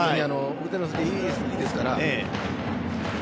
腕の振り、いいですから。